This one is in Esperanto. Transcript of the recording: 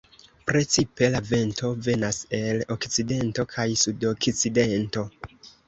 Precipe la vento venas el okcidento kaj sudokcidento.